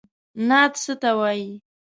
نعت څه ته وايي؟